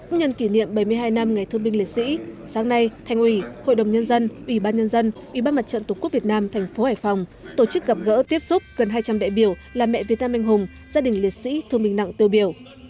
nhân kỷ niệm bảy mươi hai năm ngày thương binh liệt sĩ sáng nay thành ủy hội đồng nhân dân ủy ban nhân dân ủy ban mặt trận tổ quốc việt nam thành phố hải phòng tổ chức gặp gỡ tiếp xúc gần hai trăm linh đại biểu là mẹ việt nam anh hùng gia đình liệt sĩ thương binh nặng tiêu biểu